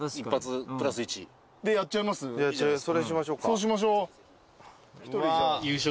そうしましょう。